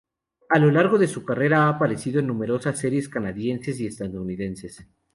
A lo largo de su carrera ha aparecido en numerosas series canadienses y estadounidenses.